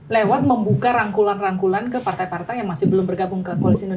lewat membuka rangkulan rangkulan ke partai partai yang masih belum bergabung ke koalisi indonesia